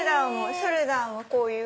ショルダーもこういう。